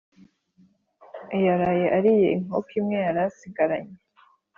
Yaraye ariye inkoko imwe yarasigaranye